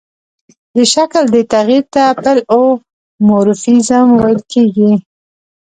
د شکل دې تغیر ته پلئومورفیزم ویل کیږي.